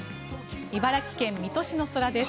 茨城県水戸市の空です。